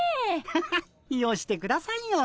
ハハッよしてくださいよ。